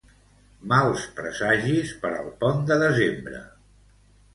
Mals presagis per al pont de desembre.